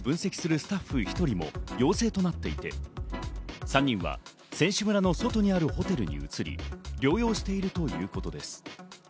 スタッフ１人も陽性となっていて、３人は選手村の外にあるホテルに移り、療養しているということです。